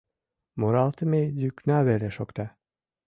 Муралтыме йӱкна веле шокта.